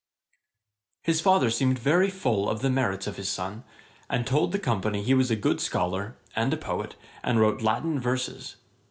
His father seemed very full of the merits of his son, and told the company he was a good scholar, and a poet, and wrote Latin verses.